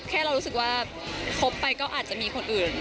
แค่เรารู้สึกว่าคบไปก็อาจจะมีคนอื่น